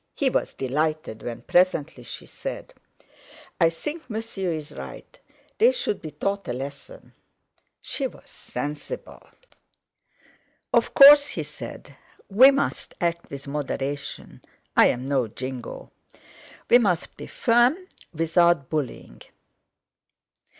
He was delighted when presently she said: "I think Monsieur is right. They should be taught a lesson." She was sensible! "Of course," he said, "we must act with moderation. I'm no jingo. We must be firm without bullying.